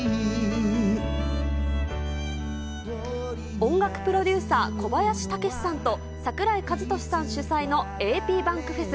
音楽プロデューサー、小林武史さんと桜井和寿さん主催のａｐｂａｎｋフェス。